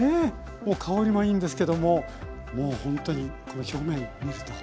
もう香りもいいんですけどももうほんとにこの表面見ると。